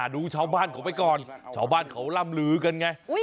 ดูชาวบ้านเขาไปก่อนชาวบ้านเขาล่ำลือกันไง